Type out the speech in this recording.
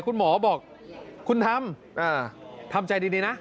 คุณหมอบอกคุณทำทำใจดีนะ